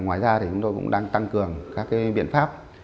ngoài ra thì chúng tôi cũng đang tăng cường các biện pháp